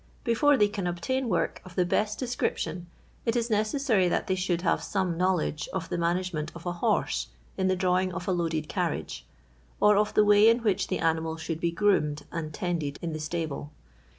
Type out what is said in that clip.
Before they can obtain work of the best description it is necessary that they should have some knowledge of the. management of a horse in the drawing of a loaded carriage, or of tho way in which the animal should be groomed and tended in the stable.